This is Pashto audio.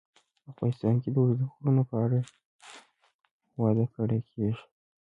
افغانستان کې د اوږده غرونه په اړه زده کړه کېږي.